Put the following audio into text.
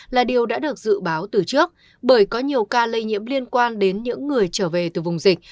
là điều đã được dự báo từ trước bởi có nhiều ca lây nhiễm liên quan đến những người trở về từ vùng dịch